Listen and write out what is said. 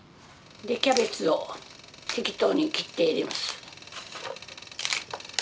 キャベツを適当に切って入れます。